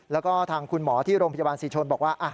แล้วก็ทางคุณหมอที่โรงพยาบาลศรีชนบอกว่า